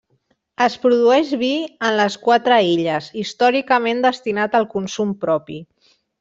Es produeix vi en les quatre illes, històricament destinat al consum propi.